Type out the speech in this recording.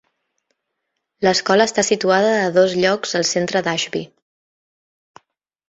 L'escola està situada a dos llocs al centre d'Ashby.